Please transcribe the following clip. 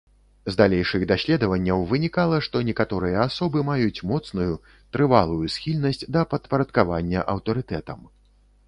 З далейшых даследванняў вынікала, што некаторыя асобы маюць моцную, трывалую схільнасць да падпарадкавання аўтарытэтам.